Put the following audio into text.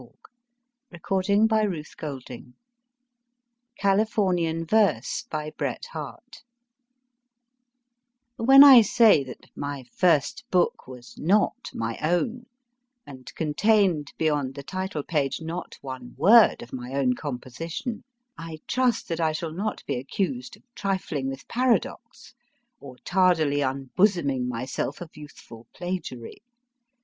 Ill A Sketch from Life 257 CALIFORNIAN VERSE BY BRET HARTE WHEN I say that my * first book was not my own, and contained beyond the title page not one word of my own composition, I trust that I shall not be accused of trifling with paradox, or tardily unbosoming myself of youthful plagiary.